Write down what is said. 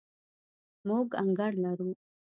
موږ انګړ لرو